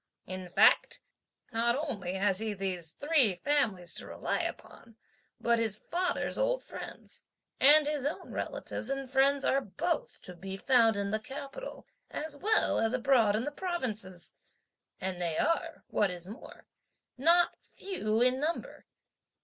In fact, not only has he these three families to rely upon, but his (father's) old friends, and his own relatives and friends are both to be found in the capital, as well as abroad in the provinces; and they are, what is more, not few in number.